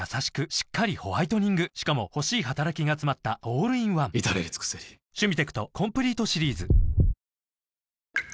しっかりホワイトニングしかも欲しい働きがつまったオールインワン至れり尽せりプシューッ！